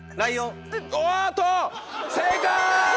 おっと正解！